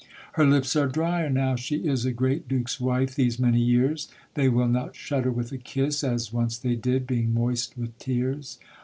Her lips are drier now she is A great duke's wife these many years, They will not shudder with a kiss As once they did, being moist with tears.